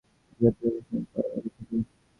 তাঁদের প্রেমের সম্পর্ক আরও আগে থেকে।